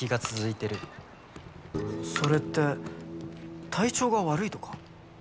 それって体調が悪いとか？